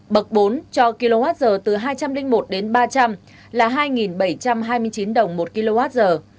bậc bốn cho kwh từ hai trăm linh một đến ba trăm linh là hai bảy trăm hai mươi chín đồng một kwh